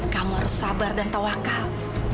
kamu harus sabar dan tawakal